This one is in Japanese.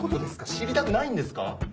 知りたくないんですか？